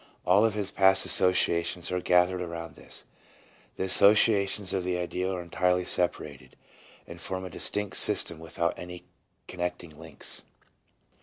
1 All of his past associations are gathered around this ; the associations of the ideal are entirely separated, and form a distinct system without any connecting links.